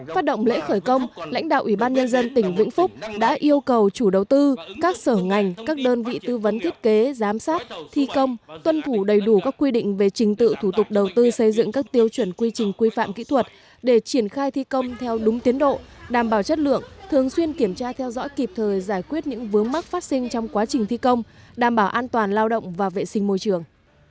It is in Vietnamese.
phát động lễ khởi công lãnh đạo ủy ban nhân dân tỉnh vĩnh phúc đã yêu cầu chủ đầu tư các sở ngành các đơn vị tư vấn thiết kế giám sát thi công tuân thủ đầy đủ các quy định về trình tự thủ tục đầu tư xây dựng các tiêu chuẩn quy trình quy phạm kỹ thuật để triển khai thi công theo đúng tiến độ đảm bảo chất lượng thường xuyên kiểm tra theo dõi kịp thời giải quyết những vướng mắc phát sinh trong quá trình thi công đảm bảo an toàn lao động và vệ sinh môi trường